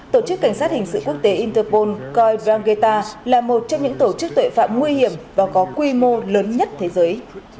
tổ chức cảnh sát hình sự quốc tế interpol coi drangueta là một trong những tổ chức tội phạm nguy hiểm và có quy mô lớn nhất thế giới